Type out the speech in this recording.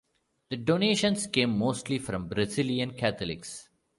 The donations came mostly from Brazilian Catholics.